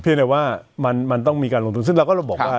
เพียงแต่ว่ามันมันต้องมีการลงทุนซึ่งเราก็บอกว่า